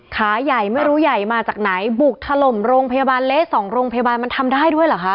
ขาใหญ่ไม่รู้ใหญ่มาจากไหนบุกถล่มโรงพยาบาลเละสองโรงพยาบาลมันทำได้ด้วยเหรอคะ